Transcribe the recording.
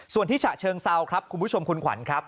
ส่วนที่ฉะเชิงเซาคุณผู้ชมคุณขวัญ